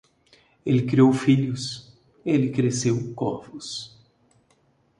Ele criou filhos, ele cresceu corvos.